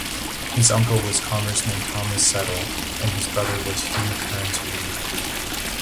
His uncle was Congressman Thomas Settle, and his brother was Hugh Kearns Reid.